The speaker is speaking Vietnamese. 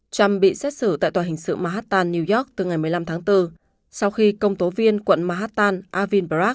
trump bị xét xử tại tòa hình sự manhattan new york từ ngày một mươi năm tháng bốn sau khi công tố viên quận manhattan arvin barak